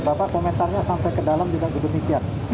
bapak komentarnya sampai ke dalam juga demikian